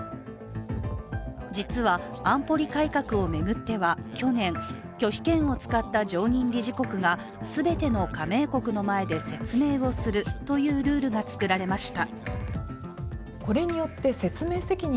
実は、安保理改革を巡っては去年、拒否権を使った常任理事国が全ての加盟国の前で、説明をするというルールが作られました。